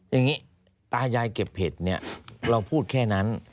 อย่างนี้ตายายเก็บเห็ดเนี่ยเราพูดแค่นั้น